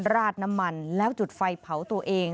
ราดน้ำมันแล้วจุดไฟเผาตัวเอง